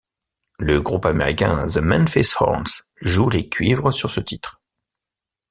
Le groupe américain The Memphis Horns joue les cuivres sur ce titre.